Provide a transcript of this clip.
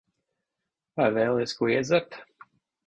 Vai vēlies ko iedzert?